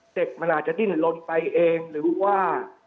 เด็กมันอาจจะดิ้นลนไปเองหรือว่า